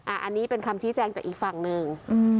อันนี้เป็นคำชี้แจงจากอีกฝั่งหนึ่ง